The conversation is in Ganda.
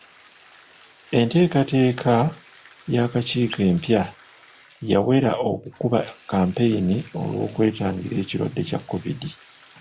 Enteekateeka y'akakiiko empya yawera okukuba kampeyini olw'okwetangira ekirwadde kya COVID.